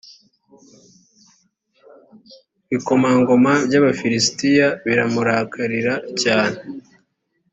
ibikomangoma by’ abafilisitiya biramurakarira cyane